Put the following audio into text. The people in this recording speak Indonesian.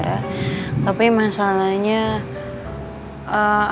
aku rasanya masih ada yang ditutupin sama dia